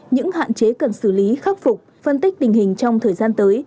những hạn chế cần xử lý khắc phục phân tích tình hình trong thời gian tới